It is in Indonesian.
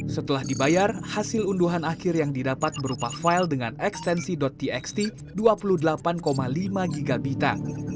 setelah dibayar hasil unduhan akhir yang didapat berupa file dengan ekstensi txt dua puluh delapan lima gb